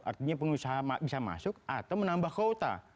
artinya pengusaha bisa masuk atau menambah kuota